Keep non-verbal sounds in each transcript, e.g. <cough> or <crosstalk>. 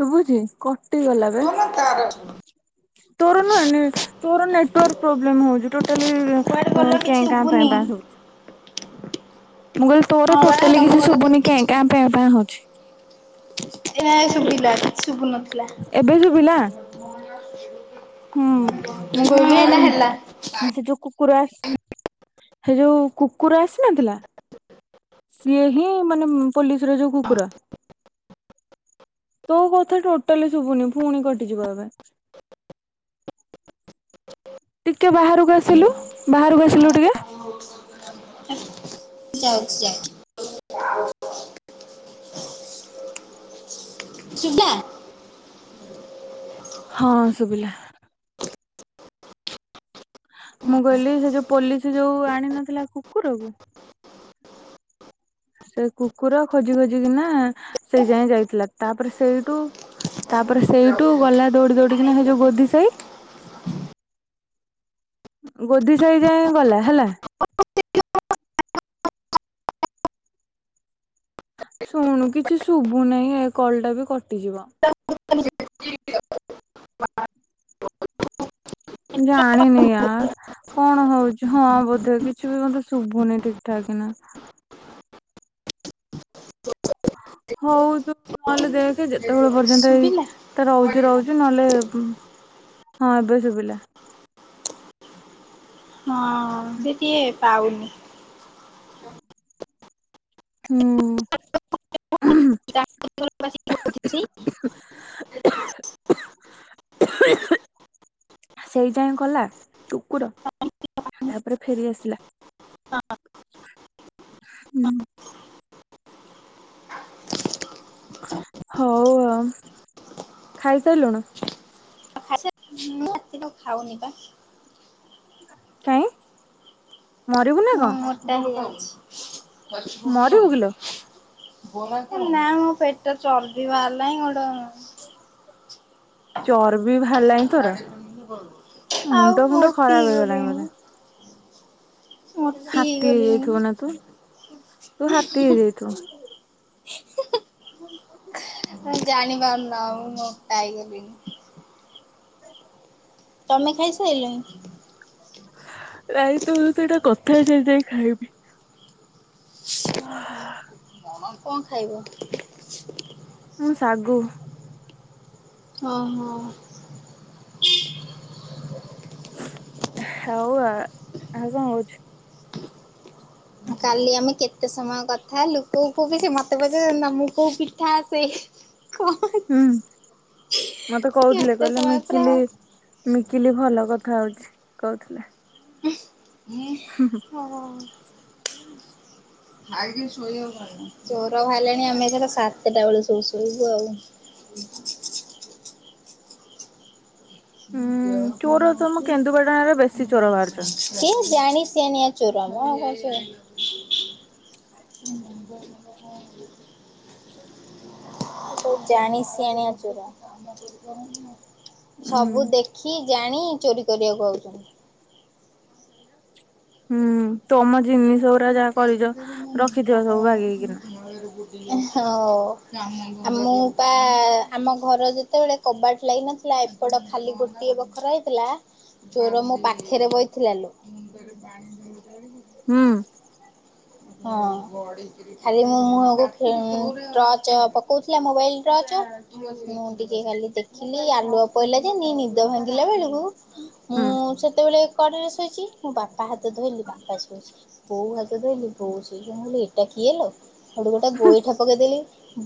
ଶୁଭୁଛି କ ଟି ଗଲାବେ। ତୋର ନୁହେ ତୋର ନେଟୱାର୍ ପ୍ରୋବ୍ଲେମ ହଉଚି ଟୋଟାଲି କୁଆଡେ ଉଁ ଗଲ କିଛି କେଁ କାଁ ମ୍ପେ ଶୁଭୁନି ପା ଶୁବୁଚି। <inaudible> ମୁଁ କହିଲି ତୋର ହଁ ବା ଟୋଟାଲି ତମ କିଛି କଥା ତ ଶୁଭୁନି କିଛି କେଁ କାଁ ମ୍ପ ପା ହୋଉଚି। ଏ ନା ସୁୁବିଲା କିଛି ସୁବୁ ନଥିଲା। ଏବେ ଶୁଭିଲା <unintelligible> ହୁଁ ମୁଁ ହୁଁ ଏଇନା ହେଲା। କହିଲି ସେ ଯଉ କୁ କୁକୁର ଆସ ସେ ଯୋଉ କୁକୁର ଆସି ନଥିଲା। ସିଏ ହିଁ ମାନେ ପୋଲିସର ଯୋଉ କୁକୁର ତୋ କଥା ଟୋଟାଲି ଶୁଭୁନି ପୁଣି କଟିଯିବ ଏବେ। ଟିକେ ବାହାରକୁ ଆସିଲୁ ବାହାରକୁ ଆସିଲୁ ଟିକେ। ଯାଉଛି ଯାଉଛି। <unintelligible> ହଁ ଶୁଭିଲା। ମୁଁ କହିଲି ସେ ଯୋଉ ପୋଲିସ ଯୋଉ ଆଣି ନଥିଲା କୁକୁରକୁ ସେ କୁକୁର ଖୋଜି ଖୋଜିିକିନା ସେଇ ଯାଇଁ ଯାଇଥିଲା ତାପରେ ସେଇଠୁ ତାପରେ ସେଇଠୁ ଗଲା ଦୌଡି ଦୌଡିିକିନା ସେ ଯୋଉ ଗୋଧି ସାଇ ଗୋଧି ସାହି ଯାଏଁ ଗଲା ହେଲା। ଶୁଣୁ କିଛି ଶୁଭୁନେଇ ଏ କଲଟା ବି କଟିଯିବ। <unintelligible> ଜାଣିନି ୟାର। କଣ ହଉଛି ହଁ ବୋଧେ କିଛି ବି ମତେ ଶୁଭୁନି ଠିକ ଠାକ ନା ହଉ। ତୁ ନହେଲେ ଦେଖେ ଯେତେବେଳେ ପର୍ଯ୍ୟନ୍ତ ଏଇ ଶୁଭିଲା ତ ରହୁଛି ରହୁଛି ନହେଲେ ହଁ ଏବେ ସୁବିଲା। ହଁ ସେ ଟିକେ ପାଉନି। ହୁଁ। <inaudible> ସେଇ ଯାଏ ଗଲା କୁକୁର ତାପରେ ଫେରି ଆସିଲା। ହୁଁ। ହଉ ଆଉ ଖାଇ ସାରିଲୁଣି? <unintelligible> ଖାଉନି ବା। କାଇଁ ମରିବୁ ନା ହଁ କଣ ମୁଁ ମୋଟା ହେଇ ମରିବୁ କିଲୋ ଯାଇଛି। ନା ମୋ ପେଟ ଚର୍ବି ବାହାରି ଲାଣି ଗୋଟେ ଚର୍ବି ଭାଆଲା ଆଉ ଫୁଣ୍ଡ ମୋଟି ଖରାପ ହେଇଗଲାଣି ବୋଧେ ହେଇ ଗଲିଣି। ହାତୀ ମୋଟି ହେଇଯାଇଥିବୁ ନା ତୁ ହେଇ ତୁ ଗଲିଣି। <inaudible> <inaudible> ହଁ ଜାଣିପାରୁନ ଆଉ ମୁଁ ମୋଟା ହେଇଗଲିଣି। ତମେ ଖାଇସାରିଲଣି? ରାଇ ତ ସହିତ ଏଇଟା କଥା ହେଇସାରି ଯାଇ ଖାଇବି। ହଁ କଣ ଖାଇବ? ମୁଁ ଶାଗୁ। ଓହୋ ହଁ। ହଉ ଆ ଆଉ କଣ ହଉଛି? କାଲି ଆମେ କେତେ ସମୟ କଥା ହେଲୁ କୋଉ କୋଉ ସେ ମୋତେ ପଚାରୁଛନ୍ତି ପିଠା ଆସେ? କ। ହୁଁ ମତେ କହୁଥିଲେ କେତେ କହିଲେ ସମୟ ପୁରା ମିକିଲି ମିକିଲି ଭଲ କଥା ହଉଛି କହୁଥିଲେ। ହୁଁ। <inaudible> ହୁଁ ହୁଁ। ଖାଇକି ଶୋଇ ହବନି। ଚୋର ବାହାରିଲାଣି ଆମେ ଏଥର ସାତଟା ବେଳେ ସବୁ ଶୋଇବୁ ଆଉ। <inaudible> ଉୁଁ ଚୋର ତମ କେନ୍ଦୁପାଟଣରେ ବେଶୀ ଚୋର ବାହାରୁଛନ୍ତି। ସିଏ ଜାଣି ସିଆଣିଆନି ଚୋର ମ। <unintelligible> <inaudible> <inaudible> ଜାଣିଶିଆଣିଆ ଚୋର। ହୁଁ ସବୁ ଦେଖି ଜାଣି ଚୋରି କରିବାକୁ ଆାଉଚନ୍ତି। ହୁଁ ତମ ଜିନିଷ ଗୁଡା ଯାହା କରିଛ ରଖିଥିବ ସବୁ ବାଗେଇକିନା। ହଉ ମୁଁ ପା ଆମ ଘର ଯେତେବେଳେ କବାଟ ଲାଗି ନଥିଲା ଏପଟ ଖାଲି ଗୋଟିଏ ବଖରା ହେଇଥିଲା ଚୋର ମୋ ପାଖରେ ବଇଥିଲା ଲୋ। <inaudible> ହୁଁ। ହଁ। ଖାଲି ମୋ ମୁହଁକୁ ଫୁ ଟର୍ଚ୍ଚ ପକଉଥିଲା ମୋବାଇଲ ଟର୍ଚ୍ଚ। ମୁଁ ଟିକେ ଖାଲି ଦେଖିଲି ଆଲୁଆ ପଇଲା ଯେନି ନିଦ ଭାଙ୍ଗିଲା ବେଳକୁ ମୁଁ ହୁଁ ସେତେବେଳେ କଡ଼ରେ ଶୋଇଛି ମୁଁ ବାପା ହାତ ଧଇଲି ବାପା ଶୋଇଛି ବୋଉ ହାତ ଧଇଲି କଉଛି ଯେ ଏଇଟା କିଏଲୋ ହେଉଠୁ ଗୋଟେ ଗୋଇଠା ପକେଇଦେଲି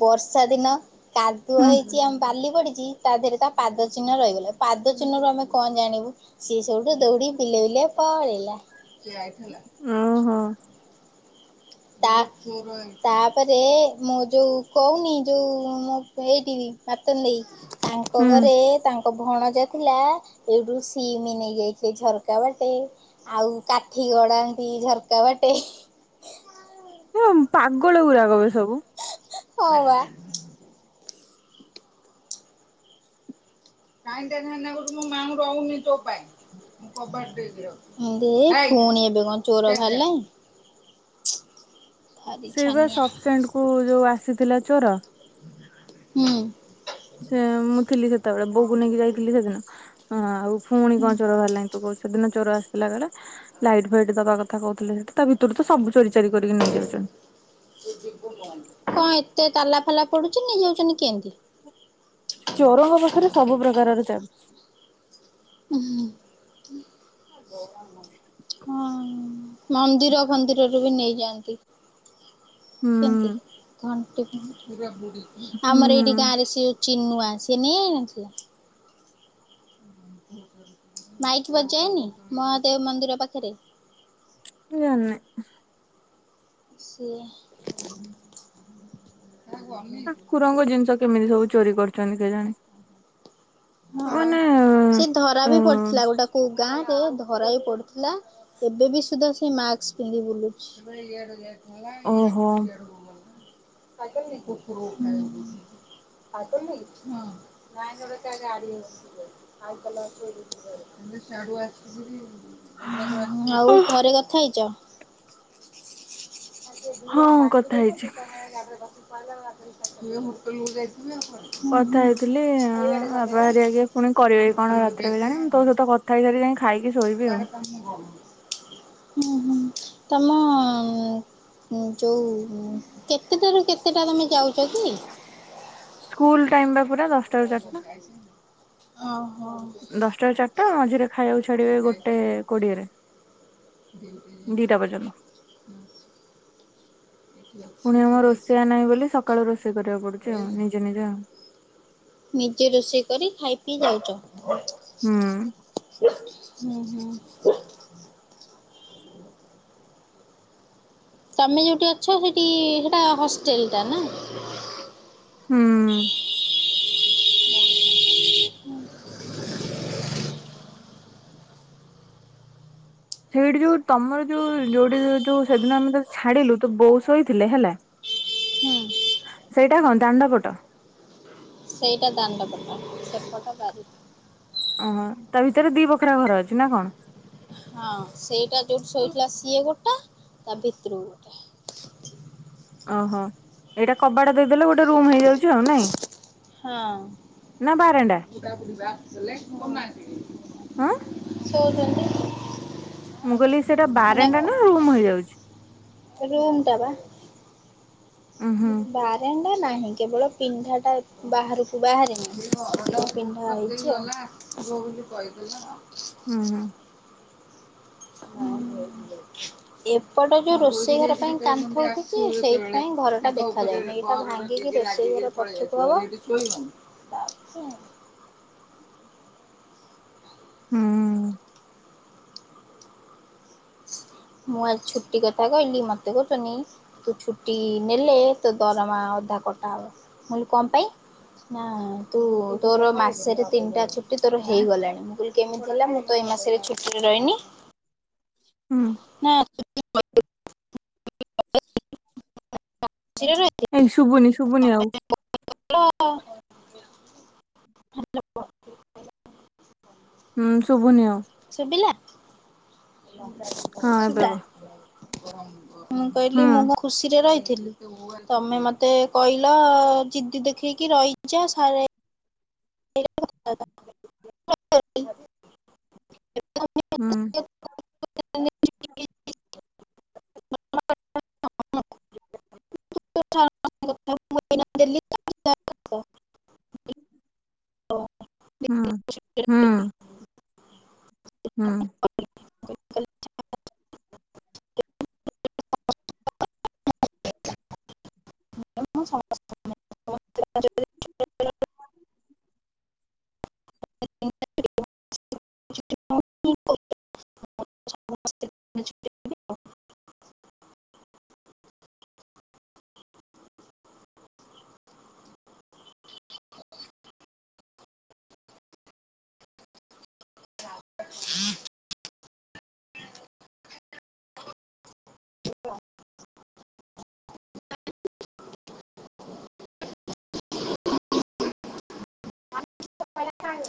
ବର୍ଷା ଦିନ କାଦୁଅ ହୁଁ ହେଇଛି ଆମ ବାଲି ପଡିଛି ତା ଦେହରେ ତା ପାଦ ଚିହ୍ନ ରହିଗଲା ପାଦ ଚିହ୍ନରୁ ଆମେ କଣ ଜାଣିବୁ। ସିଏ ସେଉଠୁ ଦୌଡି ବିଲେ ବିଲେ ପଳେଇଲା। ଓହୋ। <unintelligible> ତାପରେ ମୁଁ ଯୋଉ କହୁନି ଯୋଉ ମୋ ଏଇଠି <unintelligible> ଦେଇ ତାଙ୍କ ଘରେ ହୁଁ ତାଙ୍କ ଭଣଜା ଥିଲା ଏଇଠୁ ସିମି ନେଇଯାଇଥିଲେ ଝରକା ବାଟେ। ଆଉ କାଠି ଗଡାନ୍ତି ଝରକା ବାଟେ। <unintelligible> ପାଗଳ ଗୁୁରାକ ବେ ସବୁ। ହଁ ପା। ମାଇଣ୍ଡି ଟେଂସନ୍ ଲାଗୁଛି ମୋ ମା ଆଉ ରହୁନି ତୋ ପାଇଁ। ପୁଣି ଏବେ କଣ ଚୋର ବାହାରିଲାଣି। ଭାରି ସେଇ ବା ଛାନିଆ ସପ୍ ସେଣ୍ଡ କୁ ଯୋଉ ଆସିଥିଲା ଚୋର। ହୁଁ। ସେ ମୁଁ ଥିଲି ସେତେବେଳେ ବୋଉ ନେଇକି ଯାଇଥିଲି ସେଦିନ ଆଉ ପୁଣି ହୁଁ କଣ ଚୋର ବାହାରିଲାଣି। କ ସେଦିନ ଚୋର ଆସିଲା ବେଳେ ଲାଇଟ୍ ଫାଇଟ ଦବା କଥା କହୁଥିଲେ ସେଠି ତା ଭିତରୁ ତ ସବୁ ଚୋରି। ଚୋରି କରିକି ନେଇ ଯାଉଛନ୍ତି। କଣ ଏତେ ତାଲା ଫାଲା ପଡୁଛି ନେଇଯାଉଛନ୍ତି କେମିତି। ଚୋରଙ୍କ ପାଖରେ ସବୁ ପ୍ରକାରର ଚାବି। ଉହୁଁ <inaudible> ହଁ। ମନ୍ଦିର ଫନ୍ଦିରରୁ ବି ନେଇଯାଆନ୍ତି। ହୁଁ କେମିତି <unintelligible> ହୁଁ ଆମର ଏଇଠି ଗାଁ ମୁଁ ରେ ସିଏ ଚିନୁ ଆସିନି ଏଇ ଆସିଲା। ମାଇକି ବଜଯାଏନି ମହାଦେବ ମନ୍ଦିର ପାଖରେ। ମୁଁ ଜାଣିନୀ। ସିଏ। <unintelligible> ଠାକୁରଙ୍କ ଜିନିଷ କେମିତି ସବୁ ଚୋରି କରୁଛନ୍ତି କେଜାଣି। ହଁ ମାନେ ସେ ଧରା ବି ପଡିଥିଲା ଗୋଟାକୁ ଗାଁ ରେ ଧରା ବି ପଡ଼ୁଥିଲା ଏବେ ବି ସୁଦ୍ଧା ସେ ମାସ୍କ ପିନ୍ଧି ବୁଲୁଛି। ଓହୋ <unintelligible> <unintelligible> ତା ଗାଡି ଅଛି <unintelligible> ସେ ସେଆଡୁ ଆସିକି ଆଉ ଘରେ କଥା ହେଇଛ। ି ଦିଇ ଜଣ ହଁ ଡାକି କଥା ହେଇଛି। ଦେବେ ତାେ ଗାଡିରେ ବସି ପଡିଲେ ମୁଁ ଭାବିଲିହୋଟେଲକୁୁ ଯାଇଥିବେ ଆଉ କଣ। କଥା ହେଇଥିଲି ବାପହାରାରି ଆଜ୍ଞା ପୁଣି କରିବେ କଣ ରାତିରେ ବି ଜାଣି ମୁଁ ତୋ ସହିତ କଥା ହେଇଥିଲାରି ଯାଇ। ଖାଇକି ଶେଇ <unintelligible> ହୁଁ ହୁଁ ତମ ଁ ଯୋଉ କେତେଟାରୁ କେତେଟା ତମେ ଯାଉଛ କି? ସ୍କୁଲ ଟାଇମ ବା ପୁରା ଦଶ <unintelligible> ଓହୋ। ଦଶଟାରୁ ଚାରିଟା ମଝିରେ ଖାଇବାକୁ ଛାଡିବେ ଗୋଟେ କୋଡିଏରେ। ଦିଟା ପର୍ଯ୍ୟନ୍ତ <inaudible> ପୁଣି ଆମ ରୋଷେଇଆ ନାହିଁ ବୋଲି ସକାଳୁ ରୋଷେଇ କରିବାକୁ ପଡୁଛି ଆଉ ନିଜେ ନିଜେ ଆଉ। ନିଜ ରୋଷେଇ କରି ଖାଇ ପିଇ ଯାଉଛ। ହୁଁ। ହୁଁ ହୁଁ। ତମେ ଯୋଉଠି ଅଛ ସେଠି ସେଟା ହଷ୍ଟେଲ ଟା ନାଇଁ। ହୁଁ। ସେଇଠି ଯୋଉ ତମର ଯୋଉ ଯୋଉଠି ଯୋଉ ସେଦିନ ଆମେ ତ ଛାଡିଲୁ ତ ବେଉ ଶୋଇଥିଲେ ହେଲା। ସେଇଟା କଣ ଦାଣ୍ଡପଟ। ସେଇଟା ଦାଣ୍ଡ ପଟ ସେପଟା ବାରି। ଓହୋ ତା ଭିତରେ ଦି ବଖରା ଘର ଅଛି ନା କଣ? ହଁ ସେଇଟା ଯୋଉଠି ଶୋଇଥିଲା ସିଏ ଗୋଟା ତା ଭିତରୁକୁ ଗୋଟେ। ଓହୋ ଏଇଟା କବାଡ ଦେଇଦେଲେ ଗୋଟେ ରୁମ ହେଇଯାଉଛି ଆଉ ନାଇଁ ହଁ ନା ବାରଣ୍ଡା। <unintelligible> ହଁ ଶୋଉଛନ୍ତି। ମୁଁ କହିଲି ସେଇଟା ଏଇନା ବାରଣ୍ଡା ନା ରୁମ୍ ହେଇଯାଉଛି। ରୁମ୍ ଟା ବା। ଉଁ ହୁଁ ବା। <unintelligible> ା ନାହିଁ କେବଳ ପିଣ୍ଡାଟା ବାହାରକୁ ବାହାରେନି ପିଣ୍ଡାହେଇଛି ଆଉ। ର ବୋଲି କହିଦେଉଛନ। ହୁଁ ହୁଁ। ହଁ। <inaudible> ଏପଟ ଯୋଉ ରୋଷେଇ ଘର ପାଇଁ କାନ୍ତଉଟୁଛି ସେଇପାଇଁ ଘର ଟା ଦେଖାଯାଉନି। ରୋଷେଇଘର ପଛୁ କୁ ହବ। ହୁଁ। ମୁଁ ଆଜି ଛୁଟି କଥା କହିଲି ମତେ କହୁଛନି। ତୁ ଛୁଟି ନେଲେ ତ ଦରମା ଅଧା କଟା ହବ ମୁଁ କହିଲି କଣ ପାଇଁ। ହିଁ ତୁ ତୋର ମାସେ ରେ ତିନିଟା ଛୁଟି ତୋର ହେଇଗଲାଣି। ମୁଁ କହିଲି କେମିତି ହେଲା ମୁଁ ତ ଏଇ ମାସରେ ଛୁଟିରେ ରହିନି। ହୁଁ। ନାଁ। <unintelligible> <unintelligible> ଏଇ ଶୁଭୁନି ଶୁଭୁନି ଆଉ। ହୁଁ ଶୁଭୁନି ଆଉ। ଶୁଭିଲା ହଁ ଏବେ ସୁବା। କହ ମୁଁ କହିଲି ହୁଁ ମୁଁ ମୋ ଖୁସିରେ ରହିଥିଲି। ତମେ ମତେ କହିଲ ଜିଦି ଦେଖେଇକି ରହିଚ ସାରେ <unintelligible> ହୁଁ। <unintelligible> <unintelligible> <unintelligible> <unintelligible> ହୁଁ ହୁଁ <unintelligible> ହୁଁ। <unintelligible> ମୁଁ ସମସ୍ତ <unintelligible> <inaudible> <unintelligible> <unintelligible> <unintelligible>